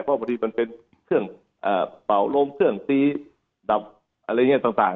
เพราะว่าพอดีมันเป็นเครื่องอ่ะเบาโลมเครื่องตีดำอะไรเงี้ยต่าง